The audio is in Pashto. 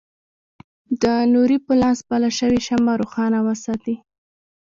د نوري په لاس بله شوې شمعه روښانه وساتي.